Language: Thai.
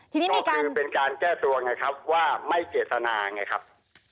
ทีนี้ก็คือเป็นการแก้ตัวไงครับว่าไม่เจตนาไงครับ